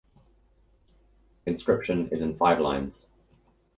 The inscription is in five lines.